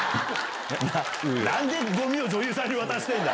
なんでごみを女優さんに渡してるんだ。